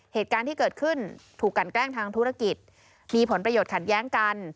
เหตุการณ์ที่เกิดขึ้นถูกกันแกล้งทางธุรกิจมีผลประโยชน์ขัดแย้งกัน